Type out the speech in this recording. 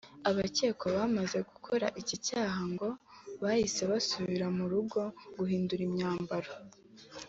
Abakekwa bamaze gukora iki cyaha ngo bahise basubira mu rugo guhindura imyambaro